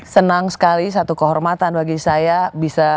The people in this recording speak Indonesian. senang sekali satu kehormatan bagi saya bisa